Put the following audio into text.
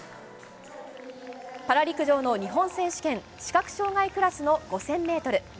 パラ陸上の日本選手権、視覚障害クラスの５０００ｍ。